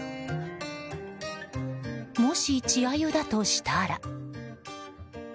もし、稚アユだとしたら。